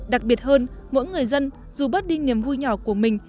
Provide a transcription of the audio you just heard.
đặc biệt hơn mỗi người dân dù bớt đi niềm vui nhỏ của mình